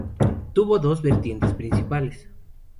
Tuvo dos vertientes principales.